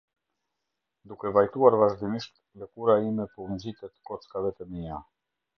Duke vajtuar vazhdimisht, lëkura ime po u ngjitet kockave të mia.